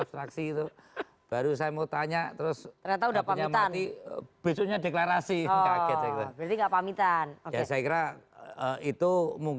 bagi hari cinta kasih